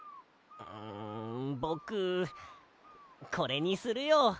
んぼくこれにするよ。